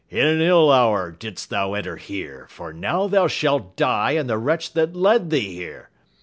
In an ill hour didst thou enter here, for now thou shalt die and the wretch that led thee here!